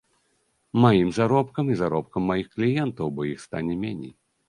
Маім заробкам і заробкам маіх кліентаў, бо іх стане меней.